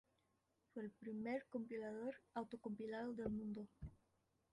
Fue el primer compilador auto-compilado del mundo.